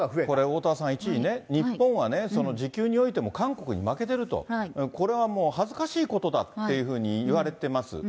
これおおたわさん、一時ね、日本は時給においても韓国の負けていると、これはもう、恥ずかしいことだってというふうにいわれてます。